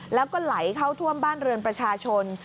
แล้วก็ไหลเข้าท่วมบ้านเรือนประชาชน